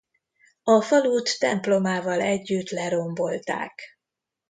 A falut templomával együtt lerombolták.